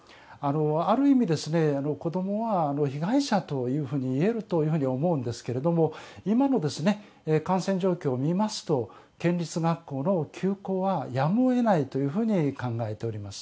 ある意味、子供は被害者というふうにいえるというふうに思うんですけれども今の感染状況を見ますと県立学校の休校はやむを得ないというふうに考えております。